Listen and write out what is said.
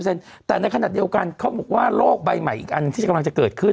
แต่ในขณะเดียวกันเขาบอกว่าโลกใบใหม่อีกอันที่กำลังจะเกิดขึ้น